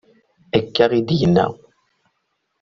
Akka i d-yenna.